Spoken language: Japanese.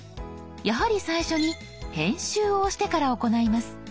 やはり最初に「編集」を押してから行います。